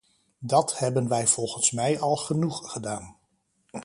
Dat hebben wij volgens mij al genoeg gedaan.